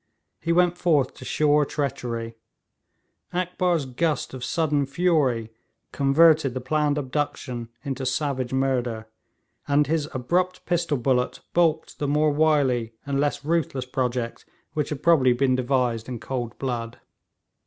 He went forth to sure treachery; Akbar's gust of sudden fury converted the planned abduction into savage murder, and his abrupt pistol bullet baulked the more wily and less ruthless project which had probably been devised in cold blood.